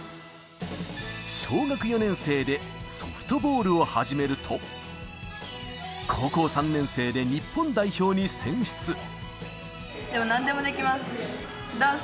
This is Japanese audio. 小学４年生でソフトボールを始めると、高校３年生で日本代表に選でもなんでもできます。